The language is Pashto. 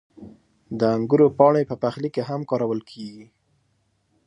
• د انګورو پاڼې په پخلي کې هم کارول کېږي.